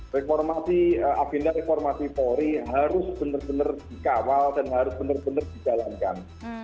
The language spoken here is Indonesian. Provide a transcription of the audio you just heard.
reformasi agenda reformasi polri harus benar benar dikawal dan harus benar benar dijalankan